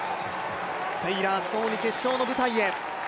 テイラーとともに決勝の舞台へ。